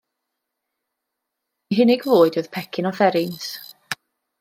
Ei hunig fwyd oedd pecyn o fferins.